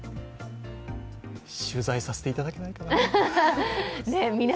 取材させていただきたいな。